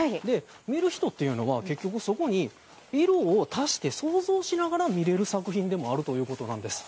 見る人っていうのは結局そこに色を足して想像しながら見れる作品でもあるということなんです。